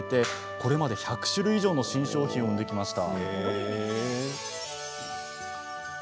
これまで１００種類以上の新商品を生んできました。